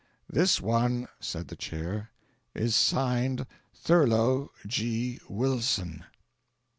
"This one," said the Chair, "is signed Thurlow G. Wilson."